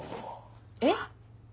えっ？